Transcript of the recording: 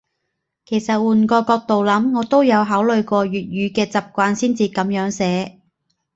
其實換個角度諗，我都有考慮過粵語嘅習慣先至噉樣寫